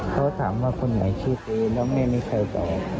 เขาถามว่าคุณหน่อยชื่อดีแล้วไม่มีใครต่อ